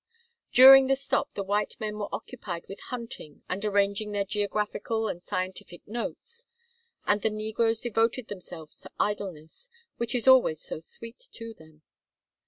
During the stop the white men were occupied with hunting and arranging their geographical and scientific notes, and the negroes devoted themselves to idleness, which is always so sweet to them.